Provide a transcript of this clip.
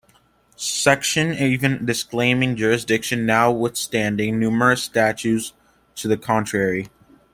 Section, even disclaiming jurisdiction, notwithstanding numerous statutes to the contrary.